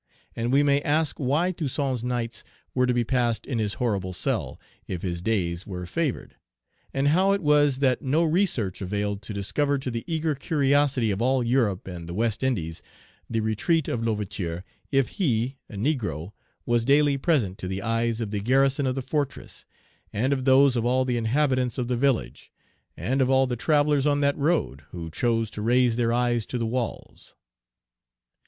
And we may ask why Toussaint's nights were to be passed in his horrible cell, if his days were favored; and how it was that no research availed to discover to the eager curiosity of all Europe and the West Indies the retreat of L'Ouverture, if he, a negro, was daily present to the eyes of the garrison of the fortress, and of those of all the inhabitants of the village, and of all the travellers on that road, who chose to raise their eyes to the walls.